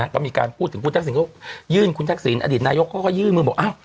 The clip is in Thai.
ก็มีการพูดถึงคุณทักษิณก็ยื่นคุณทักษิณอดีตนายกเขาก็ยื่นมือบอกอ้าว